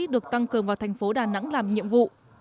được tăng cường vào thành phố đà nẵng làm nhiệm vụ